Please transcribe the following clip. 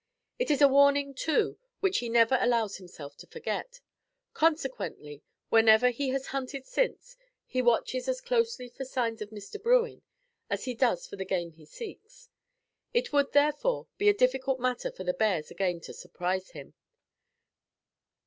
It is a warning too which he never allows himself to forget; consequently, whenever he has hunted since, he watches as closely for signs of Mr. Bruin as he does for the game he seeks; it would, therefore, be a difficult matter for the bears again to surprise him.